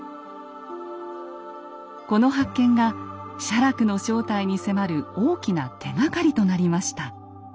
この発見が写楽の正体に迫る大きな手がかりとなりました。